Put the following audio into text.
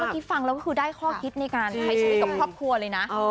คลิปฟังเราก็ได้ข้อคิดในการคายชอบพวกครัวเลยนะ